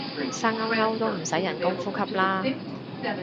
生勾勾就唔使人工呼吸啦